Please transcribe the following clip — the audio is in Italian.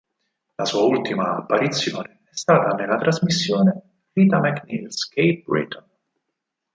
La sua ultima apparizione è stata nella trasmissione "Rita MacNeil's Cape Breton"